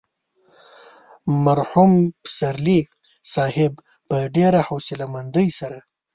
مرحوم پسرلي صاحب په ډېره حوصله مندۍ سره.